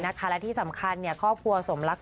แต่ว่าคนที่เชื่อหรือไม่เชื่อมันห้าสิบห้าสิบ